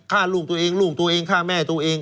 ฆ่าลูกตัวเองลูกตัวเองฆ่าแม่ตัวเอง